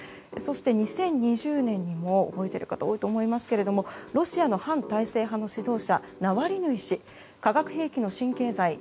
そして２０２０年にも覚えている方が多いと思いますがロシアの反体制派の指導者ナワリヌイ氏、化学兵器の神経剤